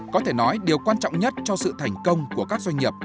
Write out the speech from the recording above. có thể nói điều quan trọng nhất cho sự thành công của các doanh nghiệp